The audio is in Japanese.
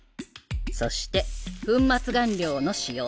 そして粉末顔料の使用。